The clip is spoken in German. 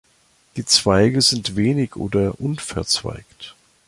Die Zweige sind wenig oder unverzweigt.